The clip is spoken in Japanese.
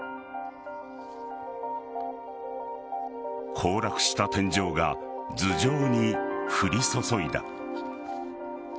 崩落した天井が頭上に降り注いだ。